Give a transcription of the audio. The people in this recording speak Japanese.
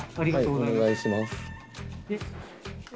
お願いします。